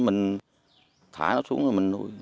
mình thả nó xuống rồi mình nuôi